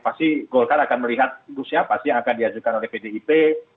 pasti golkar akan melihat itu siapa sih yang akan diajukan oleh pdip